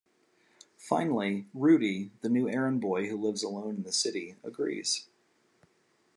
Finally, Rudy, the new errand boy who lives alone in the city, agrees.